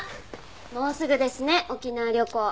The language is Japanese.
もうすぐですね沖縄旅行。